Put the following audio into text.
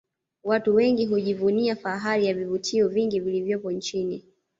Watu wengi hujivunia fahari ya vivutio vingi vilivyopo nchini